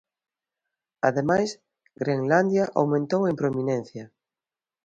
Ademais, Grenlandia aumentou en prominencia.